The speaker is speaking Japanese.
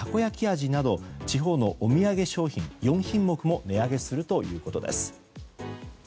味など地方のお土産商品４品目も値上げするということです。